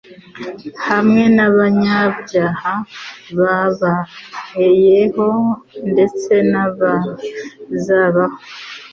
hamwe n'abanyabyaha babayeho ndetse n'abazabaho.